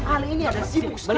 alennya ada sibuk sekali